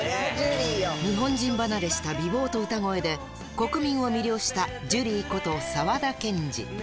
日本人離れした美ぼうと歌声で、国民を魅了したジュリーこと沢田研二。